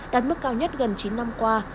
đạt mức cao nhất gần chín năm qua